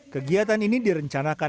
kegiatan ini direncanakan